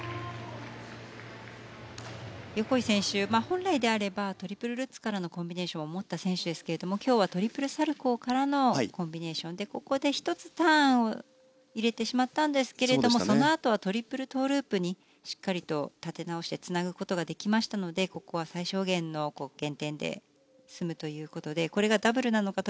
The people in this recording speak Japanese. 横井選手、本来であればトリプルルッツからのコンビネーションを持った選手ですけれども今日はトリプルサルコウからのコンビネーションでここで１つターンを入れてしまったんですがそのあとはトリプルトウループにしっかりと立て直してつなぐことができましたのでここは最小限の減点で済むということでこれがダブルなのか